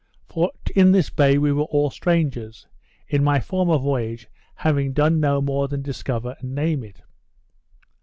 For in this bay we were all strangers; in my former voyage, having done no more than discover and name it.